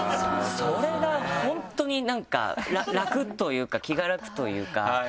それが本当になんか楽というか気が楽というか。